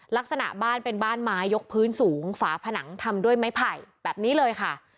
ลักษณะบ้านเป็นบ้านไม้ยกพื้นสูงฝาผนังทำด้วยไม้ไผ่แบบนี้เลยค่ะ